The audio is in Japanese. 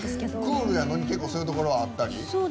クールやのに結構そういうことがあったり？